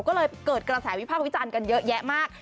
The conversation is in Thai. ก็เลยเกิดกระแสวิพากษ์วิจารณ์กันเยอะแยะมาก